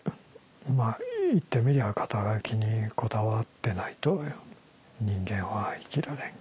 まあ言ってみりゃ肩書にこだわってないと人間は生きられない。